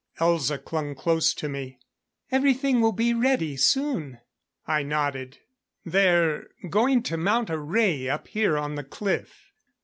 Elza clung close to me. "Everything will be ready soon." I nodded. "They're going to mount a ray up here on the cliff.